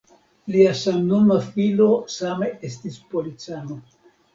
Lia samnoma filo same estis policano.